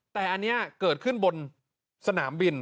แต่อันนี้เกิดขึ้นบนสนามบิน